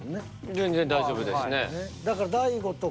全然大丈夫ですね。